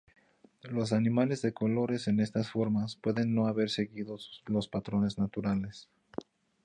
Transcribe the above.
Los animales de colores en estas formas pueden no haber seguido los patrones naturales.